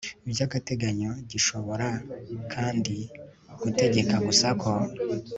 by agateganyo gishobora kandi gutegeka gusa ko